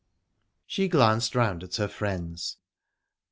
She glanced round at her friends.